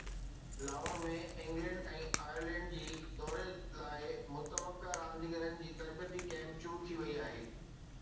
Lahore ۾ England ۽ Ireland جي دوري لاءِ متوقع رانديگرن جي تربيتي ڪيمپ شروع ٿي وئي آهي